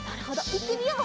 いってみよう。